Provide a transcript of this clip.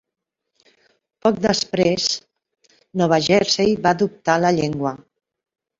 Poc després, Nova Jersey va adoptar la llengua.